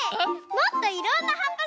もっといろんなはっぱ